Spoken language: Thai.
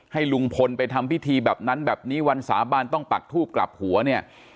ให้ลุงพลไปทำพิธีแบบนั้นแบบนี้วันสาบานต้องปักทูบกลับหัวเนี่ย